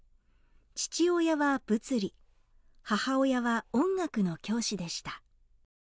父親は物理母親は音楽の教師でした。